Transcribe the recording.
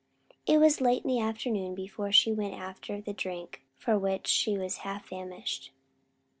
It was late in the afternoon before she went after the drink for which she was half famished.